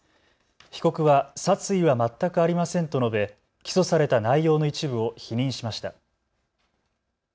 被告は殺意は全くありませんと述べ、起訴された内容の一部を否認しました。